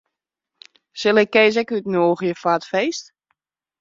Sil ik Kees ek útnûgje foar it feest?